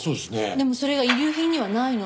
でもそれが遺留品にはないの。